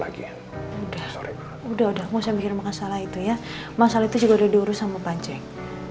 maksudnya kamu bisa mikir makasalah itu ya masalah itu juga udah diurus sama pancing